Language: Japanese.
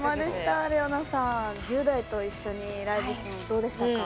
ＲｅｏＮａさん、１０代の子と一緒にライブしていかがでしたか。